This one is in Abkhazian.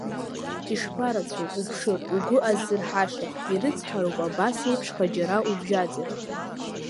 Ишԥарацәоу, уԥшыр, угәы аззырҳаша, ирыцҳароуп абасеиԥшха џьара убжьаӡыр.